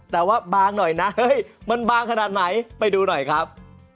แต่ว่าบางหน่อยนะเฮ้ยมันบางขนาดไหนไปดูหน่อยครับ